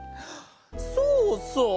そうそう！